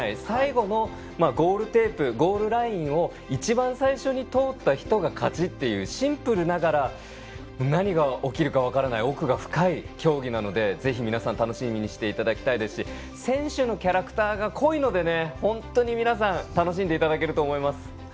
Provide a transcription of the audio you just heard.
最後のゴールテープゴールラインを一番最初に通った人が勝ちっていうシンプルながら何が起きるか分からない奥が深い競技なのでぜひ皆さん楽しみにしていただきたいですし選手のキャラクターが濃いので楽しんでいただけると思います。